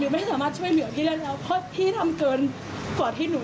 เพื่อให้โทษหนักมาจะได้เป็นเบาแล้วเป็นบทเรียนในชีวิตของพี่